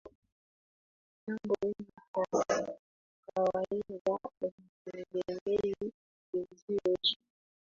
jambo hili kwa kawaida halitengemei redio nzuri